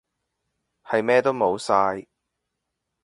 係咩都無晒